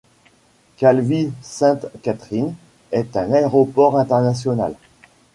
Calvi-Sainte-Catherine est un aéroport international.